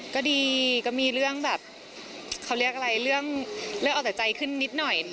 ก็ดีก็มีเรื่องแบบเขาเรียกอะไรเรื่องเอาแต่ใจขึ้นนิดหน่อย